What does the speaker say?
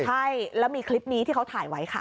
ใช่แล้วมีคลิปนี้ที่เขาถ่ายไว้ค่ะ